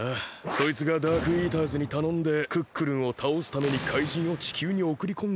そいつがダークイーターズにたのんでクックルンをたおすために怪人を地球におくりこんでるわけだ。